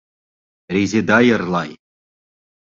Резеда йырлай!